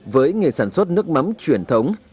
với nghề sản xuất nước mắm truyền thống